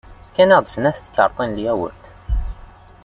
Fkan-aɣ-d snat n tkaṛtin n lyawert.